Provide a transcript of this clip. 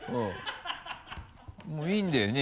もういいんだよね？